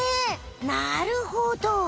なるほど。